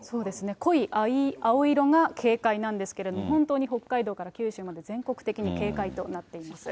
濃い藍色が警戒なんですけれども、本当に北海道から九州まで全国的に警戒となっています。